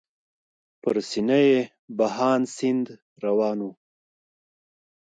پر سینه یې بهاند سیند روان و.